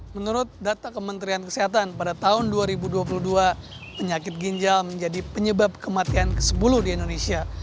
menurut data kementerian kesehatan pada tahun dua ribu dua puluh dua penyakit ginjal menjadi penyebab kematian ke sepuluh di indonesia